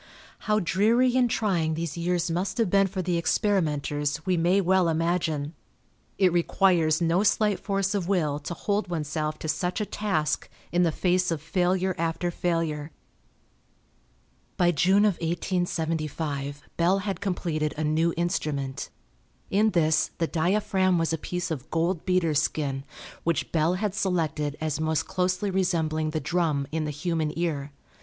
How dreary and trying these years must have been for the experimenters we may well imagine. It requires no slight force of will to hold oneself to such a task in the face of failure after failure. By June of 1875 Bell had completed a new Instrument. In this the diaphragm was a piece of gold beater's skin, which Bell had selected as most closely resembling the drum in the human ear.